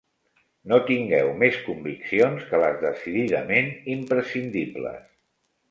No tingueu més conviccions que les decididament impresicndibles.